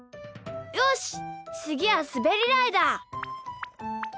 よしつぎはすべりだいだ！